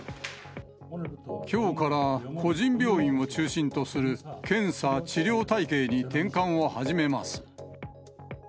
きょうから個人病院を中心とする検査・治療体系に転換を始めます。